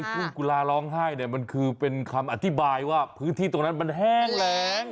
ทุ่งกุลาร้องไห้เนี่ยมันคือเป็นคำอธิบายว่าพื้นที่ตรงนั้นมันแห้งแรง